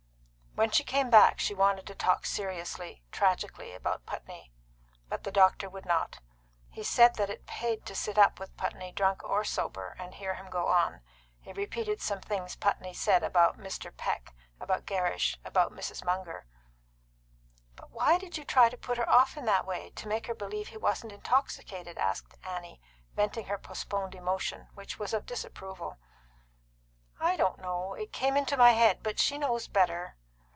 When she came back she wanted to talk seriously, tragically, about Putney. But the doctor would not. He said that it paid to sit up with Putney, drunk or sober, and hear him go on. He repeated some things Putney said about Mr. Peck, about Gerrish, about Mrs. Munger. "But why did you try to put her off in that way to make her believe he wasn't intoxicated?" asked Annie, venting her postponed emotion, which was of disapproval. "I don't know. It came into my head. But she knows better."